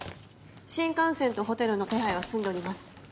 新幹線とホテルの手配は済んでおります。